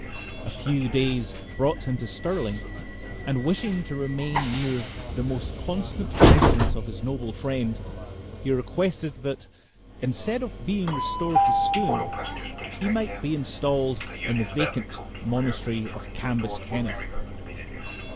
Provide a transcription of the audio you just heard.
A few days brought him to Stirling; and wishing to remain near the most constant residence of his noble friend, he requested that, instead of being restored to Scone, he might be installed in the vacant monastery of Cambus Kenneth.